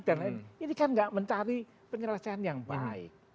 dan ini kan tidak mencari penyelesaian yang baik